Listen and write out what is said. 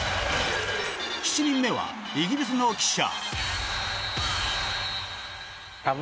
７人目はイギリスの記者。